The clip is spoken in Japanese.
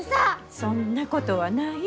そんなことはない。